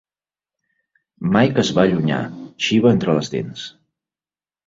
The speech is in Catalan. Mike es va allunyar, Xiva entre les dents.